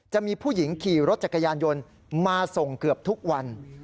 จะมีผู้หญิงขี่รถจักรยานยนต์มาส่งเกือบทุกวัน